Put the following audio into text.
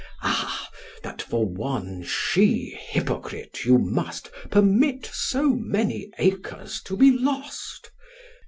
Ah! that for one she hypocrite you must Permit so many acres to be lost!